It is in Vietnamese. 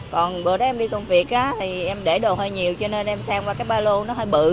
còn bữa đó em đi công việc thì em để đồ hơi nhiều cho nên em xem qua cái ba lô nó hơi bự